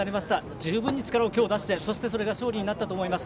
十分に力をきょう、出してそれが勝利になったと思います。